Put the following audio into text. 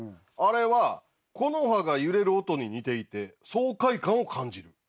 あれは木の葉が揺れる音に似ていて爽快感を感じる。